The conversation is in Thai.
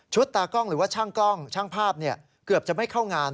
ตากล้องหรือว่าช่างกล้องช่างภาพเกือบจะไม่เข้างาน